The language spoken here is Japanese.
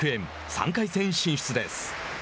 ３回戦進出です。